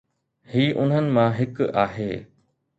هي انهن مان هڪ آهي.